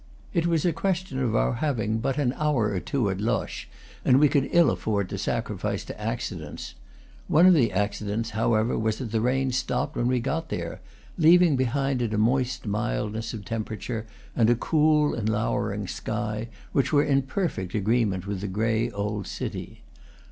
It was a question of our having but an hour or two at Loches, and we could ill afford to sacri fice to accidents. One of the accidents, however, was that the rain stopped before we got there, leaving be hind it a moist mildness of temperature and a cool and lowering sky, which were in perfect agreement with the gray old city.